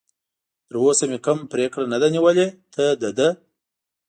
تراوسه مې کوم پرېکړه نه ده نیولې، ته د ده.